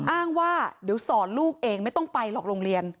อ้างว่าเดี๋ยวสอนลูกเองไม่ต้องไปหรอกโรงเรียน